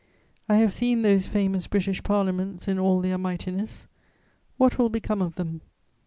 I have seen those famous British parliaments in all their mightiness: what will become of them?